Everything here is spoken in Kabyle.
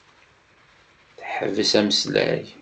Teḥbes ameslay.